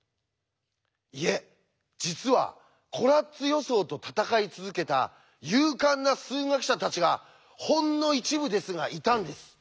いえ実はコラッツ予想と闘い続けた勇敢な数学者たちがほんの一部ですがいたんです。